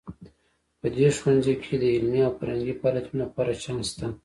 په دې ښوونځي کې د علمي او فرهنګي فعالیتونو لپاره چانس شته